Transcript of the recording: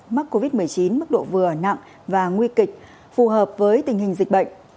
mắc covid một mươi chín mức độ vừa nặng và nguy kịch phù hợp với tình hình dịch bệnh